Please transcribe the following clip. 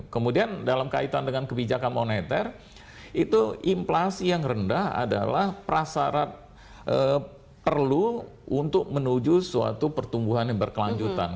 kemudian dalam kaitan dengan kebijakan moneter itu inflasi yang rendah adalah prasarat perlu untuk menuju suatu pertumbuhan yang berkelanjutan